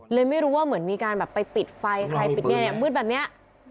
เลยไม่รู้ว่าเหมือนมีการแบบไปปิดไฟจะให้มึดแบบเนี้ย